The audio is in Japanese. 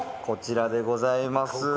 こちらでございます。